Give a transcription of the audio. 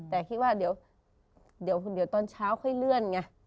แต่คิดว่าเดี๋ยวตอนเช้าค่อยเลื่อนไง